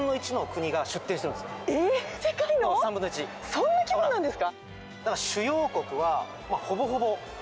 そんな規模なんですか？